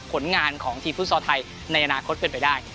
ผลงานของทีมฟุตซอลไทยในอนาคตเป็นไปได้